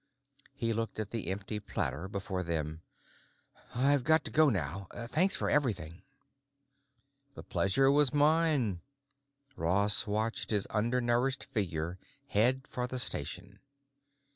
He looked at the empty platter before them. "I've got to go now. Thanks for everything." "The pleasure was mine." Ross watched his undernourished figure head for the station.